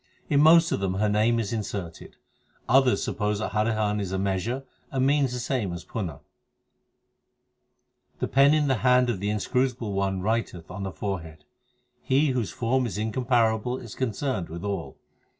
In most of them her name is inserted. Others suppose that Harihan is a measure and means the same as Punha : i The pen in the hand of the Inscrutable One writeth on the forehead. He whose form is incomparable is concerned with all.